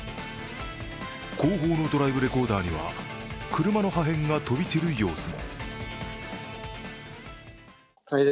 広報のドライブレコーダーには車の破片が飛び散る様子も。